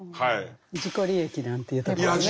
「自己利益」なんていうところもね。